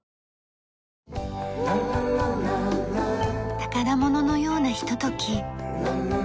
宝物のようなひととき。